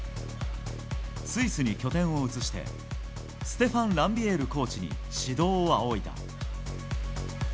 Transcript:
スイスに拠点を移してステファン・ランビエールコーチに指導を仰いだ。